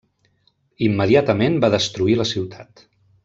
Immediatament va destruir la ciutat.